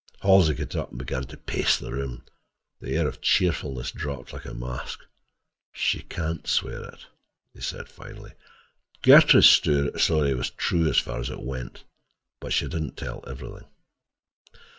Halsey got up and began to pace the room, and the air of cheerfulness dropped like a mask. "She can't swear it," he said finally. "Gertrude's story was true as far as it went, but she didn't tell everything.